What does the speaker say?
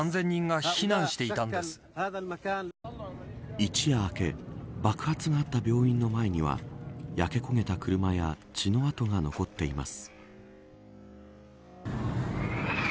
一夜明け爆発のあった病院の前には焼け焦げた車や血の痕が残っています。